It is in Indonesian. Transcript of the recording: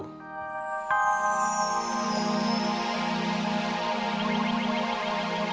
tak ada apa apa maksudnya